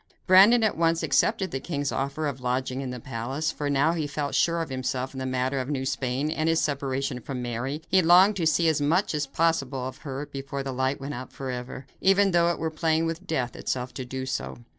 Brandon at once accepted the king's offer of lodging in the palace, for now that he felt sure of himself in the matter of New Spain, and his separation from Mary, he longed to see as much as possible of her before the light went out forever, even though it were playing with death itself to do so.